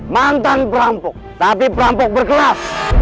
mantan perampok tapi perampok berkelas